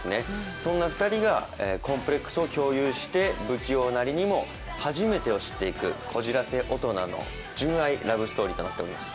そんな２人がコンプレックスを共有して不器用なりにも初めて知っていくこじらせ大人の純愛ラブストーリーとなっています。